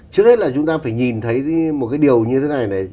trước hết là chúng ta phải nhìn thấy một cái điều như thế này này